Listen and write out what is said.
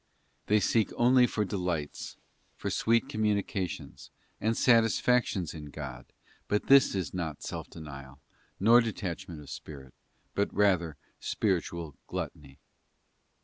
Spirituaa 4 They seek only for delights, for sweet communications, and fiat, satisfactions in God, but this is not self denial, nor detach ment of spirit, but rather spiritual gluttony.